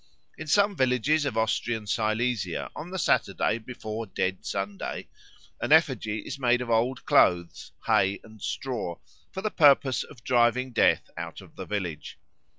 In some villages of Austrian Silesia on the Saturday before Dead Sunday an effigy is made of old clothes, hay, and straw, for the purpose of driving Death out of the village.